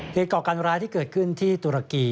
ก่อการร้ายที่เกิดขึ้นที่ตุรกี